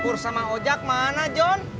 kur sama ojak mana john